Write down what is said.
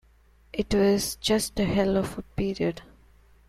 It was just a hell of a period.